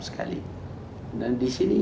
sekali dan di sini